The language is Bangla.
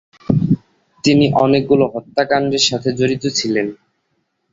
তিনি অনেকগুলো হত্যাকাণ্ডের সাথে জড়িত ছিলেন।